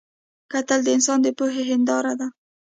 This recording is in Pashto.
کتل د انسان د پوهې هنداره ده